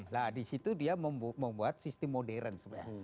nah di situ dia membuat sistem modern sebenarnya